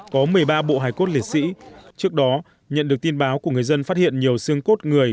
có một mươi ba bộ hài cốt liệt sĩ trước đó nhận được tin báo của người dân phát hiện nhiều xương cốt người